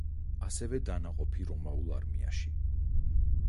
ასევე დანაყოფი რომაულ არმიაში.